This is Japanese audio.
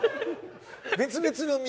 別々の道。